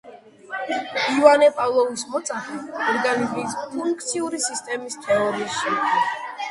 ივანე პავლოვის მოწაფე, ორგანიზმის ფუნქციური სისტემის თეორიის შემქმნელი.